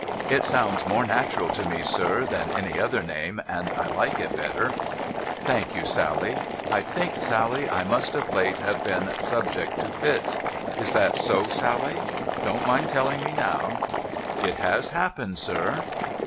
* It sounds more natural to me, sir, than any other name, and I like it better,' 'Thank you, Sally, I think, Sally, I must of late have been subject to fits. Is that so, Sally ? Don't mind telling mc now.' ' It has happened, sir.'